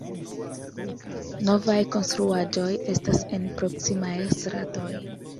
Novaj konstruaĵoj estas en proksimaj stratoj.